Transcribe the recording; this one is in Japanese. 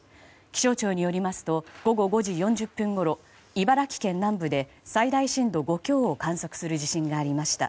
気象庁によりますと午後５時４０分ごろ茨城県南部で最大震度５強を観測する地震がありました。